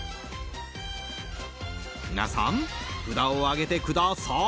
皆さん、札を上げてください。